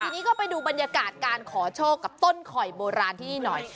ทีนี้ก็ไปดูบรรยากาศการขอโชคกับต้นข่อยโบราณที่นี่หน่อย